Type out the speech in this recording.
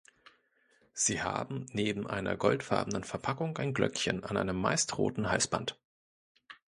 Sie haben neben einer goldfarbenen Verpackung ein Glöckchen an einem meist roten Halsband.